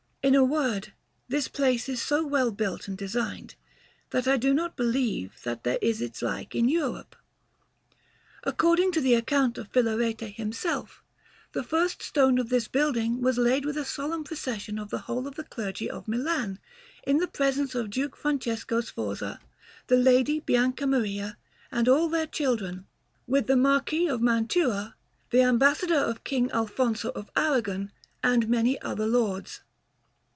In a word, this place is so well built and designed, that I do not believe that there is its like in Europe. According to the account of Filarete himself, the first stone of this building was laid with a solemn procession of the whole of the clergy of Milan, in the presence of Duke Francesco Sforza, the Lady Bianca Maria, and all their children, with the Marquis of Mantua, the Ambassador of King Alfonso of Arragon, and many other lords.